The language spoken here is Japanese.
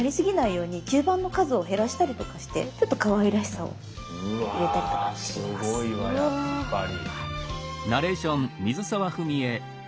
うわすごいわやっぱり。